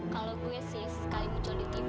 kalau gue siap sekali muncul di tv